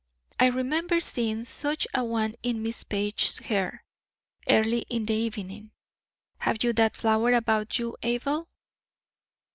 I remember seeing such a one in Miss Page's hair, early in the evening. Have you that flower about you, Abel?"